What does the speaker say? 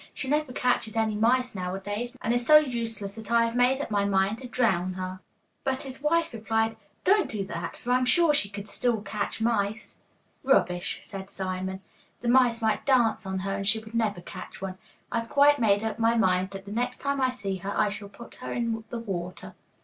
She never catches any mice now a days, and is so useless that I have made up my mind to drown her.' But his wife replied, 'Don't do that, for I'm sure she could still catch mice.' 'Rubbish,' said Simon. 'The mice might dance on her and she would never catch one. I've quite made up my mind that the next time I see her, I shall put her in the water.